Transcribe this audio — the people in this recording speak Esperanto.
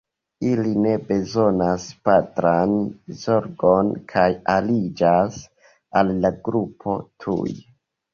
Ili ne bezonas patran zorgon kaj aliĝas al la grupo tuje.